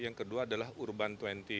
yang kedua adalah urban dua puluh